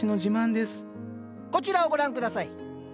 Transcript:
こちらをご覧下さい。